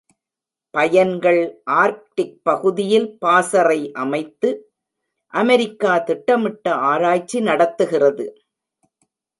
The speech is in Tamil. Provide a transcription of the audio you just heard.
பயன்கள் ஆர்க்டிக் பகுதியில் பாசறை அமைத்து அமெரிக்கா திட்டமிட்ட ஆராய்ச்சி நடத்துகிறது.